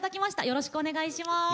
よろしくお願いします。